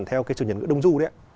theo cái chủ nhật ngữ đông du đấy